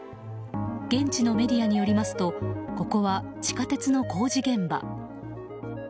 現地のメディアによりますとここは地下鉄の工事現場。